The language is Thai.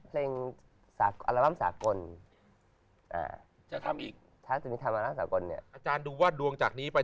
เพลงอัลบั้มสากลจะทำอีกอัลบั้มสากลอาจารย์ดูว่าดวงจากนี้ไป